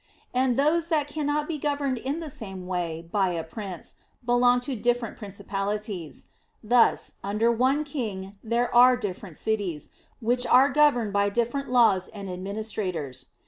And those that cannot be governed in the same way by a prince belong to different principalities: thus, under one king there are different cities, which are governed by different laws and administrators.